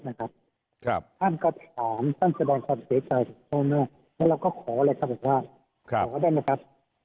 เหตุงั้นผมกับคุณพ่อคุณแม่หมกระต่างก็ไม่ขออนุญาตเข้าพบปริศนาโยคมะแทนก็อ่ะอยากให้เข้าพบไหมครับ